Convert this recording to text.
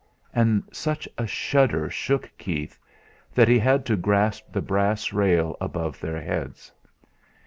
And such a shudder shook Keith that he had to grasp the brass rail above their heads.